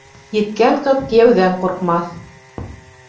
Еткән ҡыҙ кейәүҙән ҡурҡмаҫ.